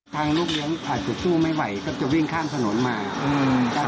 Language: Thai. ลูกเลี้ยงอาจจะสู้ไม่ไหวก็จะวิ่งข้ามถนนมาอืมครับ